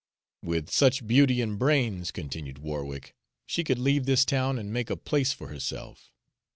"With such beauty and brains," continued Warwick, "she could leave this town and make a place for herself.